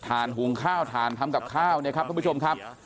หุงข้าวถ่านทำกับข้าวเนี่ยครับท่านผู้ชมครับ